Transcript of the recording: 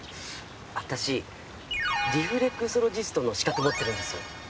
私リフレクソロジストの資格持ってるんです